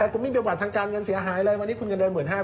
คุณไม่มีประวัติทางการเงินเสียหายเลยวันนี้คุณเงินเดือน๑๕๐๐